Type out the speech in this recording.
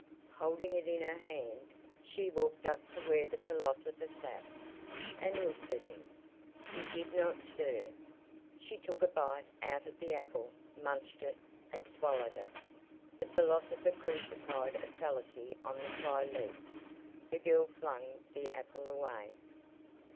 Holding it in her hand, she walked up to where the philosopher sat, and looked at him. He did not stir. She took a bite out of the apple, munched it, and swallowed it. The philosopher crucified a fallacy on the fly leaf. The girl flung the apple away.